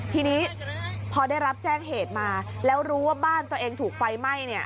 ทีนี้พอได้รับแจ้งเหตุมาแล้วรู้ว่าบ้านตัวเองถูกไฟไหม้เนี่ย